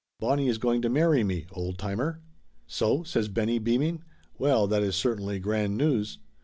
Bonnie is going to marry me, old timer!" "So?" says Benny, beaming. "Well, that is cer tainly grand news.